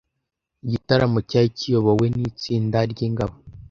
Igitaramo cyari kiyobowe nitsinda ryingabo.